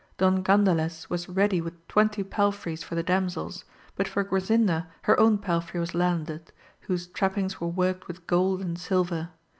Don Gandales was ready with twenty palfreys for the damsels, but for Grasinda her own palfrey was landed, whose trap pings were worked with gold and silver.